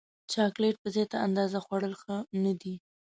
چاکلېټ په زیاته اندازه خوړل ښه نه دي.